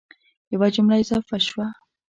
یوه جمله اضافه شوه